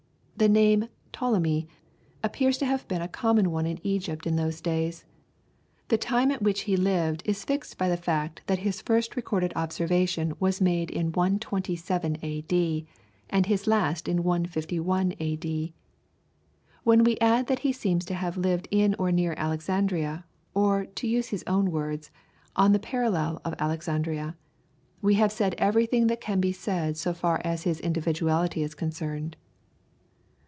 The name, Ptolemy, appears to have been a common one in Egypt in those days. The time at which he lived is fixed by the fact that his first recorded observation was made in 127 AD, and his last in 151 AD. When we add that he seems to have lived in or near Alexandria, or to use his own words, "on the parallel of Alexandria," we have said everything that can be said so far as his individuality is concerned.